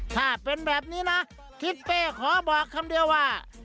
ถ้าเป็นแบบนี้นะทิศเป้ขอบอกคำเดียวว่า